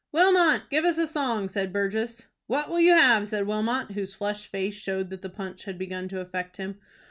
"Wilmot, give us a song," said Burgess. "What will you have?" said Wilmot, whose flushed face showed that the punch had begun to affect him.